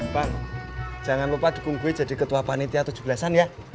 pak jangan lupa dikungguin jadi ketua panitia tujuh belas an ya